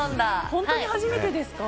本当に初めてですか？